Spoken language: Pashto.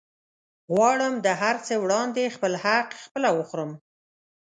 غواړم د هرڅه وړاندې خپل حق خپله وخورم